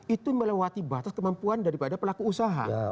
itu melewati batas kemampuan daripada pelaku usaha